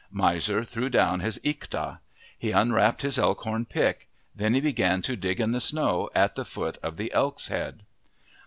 Miser threw down his ikta. He unwrapped his elk horn pick. Then he began to dig in the snow at the foot of the elk's head.